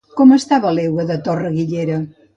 Com estava l'euga de Torre-guillera?